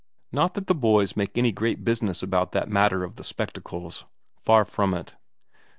Not that the boys made any great business about that matter of the spectacles; far from it.